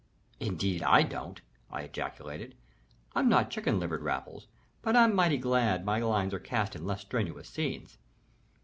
"Indeed I don't!" I ejaculated. "I'm not chicken livered, Raffles, but I'm mighty glad my lines are cast in less strenuous scenes.